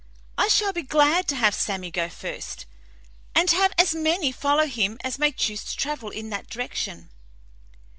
I shall be glad to have Sammy go first, and have as many follow him as may choose to travel in that direction."